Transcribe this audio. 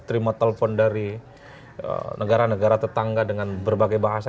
terima telepon dari negara negara tetangga dengan berbagai bahasa